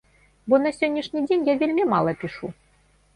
Бо на сённяшні дзень я вельмі мала пішу.